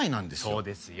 そうですよ。